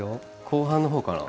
後半のほうかな？